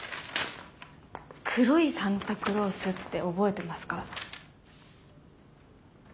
黒いサンタクロースって覚えてますか？